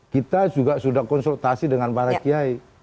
kita juga sudah konsultasi dengan para kiai